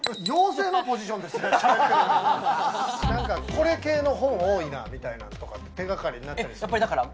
これ系の本、多いなみたいなのとか、手掛かりになったりする。